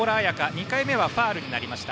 ２回目はファウルになりました。